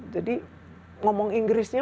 jadi ngomong inggrisnya